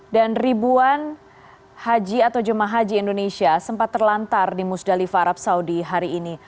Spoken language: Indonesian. dan ribuan haji atau jemaah haji indonesia sempat terlantar di musdalifah arab saudi hari ini